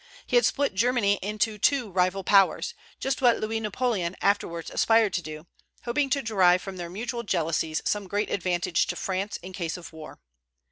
He had split Germany into two rival powers, just what Louis Napoleon afterwards aspired to do, hoping to derive from their mutual jealousies some great advantage to France in case of war.